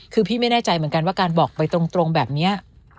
คือพี่ไม่แน่ใจเหมือนกันว่าการบอกไปตรงแบบนี้